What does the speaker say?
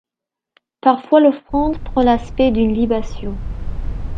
Parfois l'offrande prend l'aspect d'une libation.